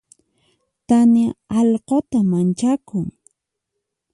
Tania allquta manchakun.